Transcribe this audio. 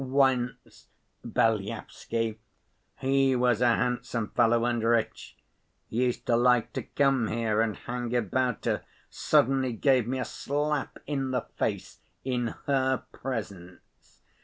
Once Belyavsky—he was a handsome fellow, and rich—used to like to come here and hang about her—suddenly gave me a slap in the face in her presence.